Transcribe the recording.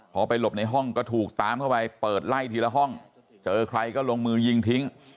พอไปหลบในห้องก็ถูกตามเข้าไปเปิดไล่ทีละห้องเจอใครก็ลงมือยิงทิ้ง